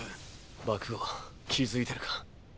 爆豪気付いてるか？